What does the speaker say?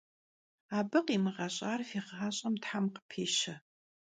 Abı khimığeş'ar fi ğaş'em them khıpişe.